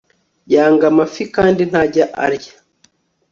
Yanga amafi kandi ntajya arya